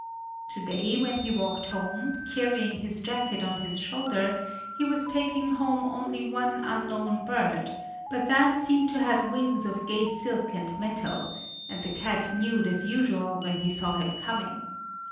To day when he walked home, carrying his jacket on his shoulder, he was taking home only one unknown bird, but that seemed to have wings of gay silk and metal; and the cat mewed as usual when he saw him coming.